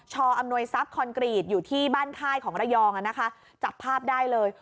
อำนวยทรัพย์คอนกรีตอยู่ที่บ้านค่ายของระยองอ่ะนะคะจับภาพได้เลย